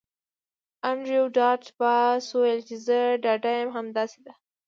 انډریو ډاټ باس وویل چې زه ډاډه یم همداسې ده